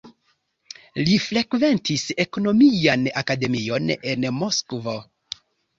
Li frekventis ekonomian akademion en Moskvo.